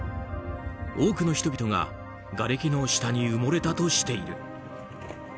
多くの人々ががれきの下に埋もれたとしている。